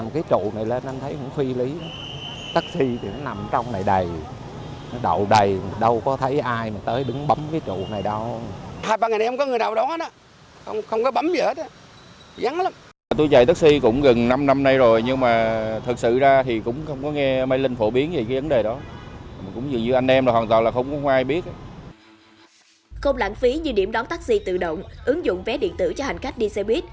không lãng phí như điểm đón taxi tự động ứng dụng vé điện tử cho hành khách đi xe buýt